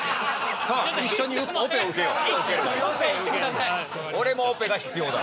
さあ一緒にオペを受けよう。